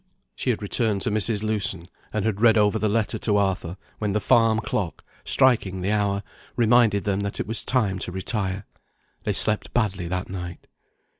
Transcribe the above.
She had returned to Mrs. Lewson, and had read over the letter to Arthur, when the farm clock, striking the hour, reminded them that it was time to retire. They slept badly that night.